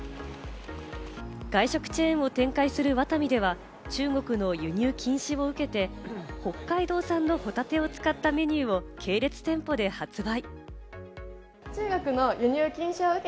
外食チェーンを展開するワタミでは中国の輸入禁止を受けて、北海道産のホタテを使ったメニューを系列店舗で発売。